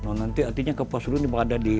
nanti artinya kapuasulu ini berada di